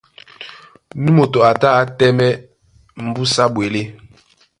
Nú moto a tá á tɛ́mɛ̀ ómbúsá ɓwelé.